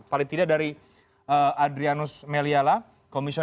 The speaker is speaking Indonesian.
paling tidak dari adrianus meliala komisioner dari ombudsman